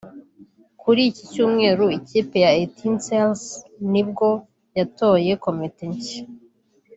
Kuri iki Cyumweru ikipe ya Etincelles ni bwo yatoye komite nshya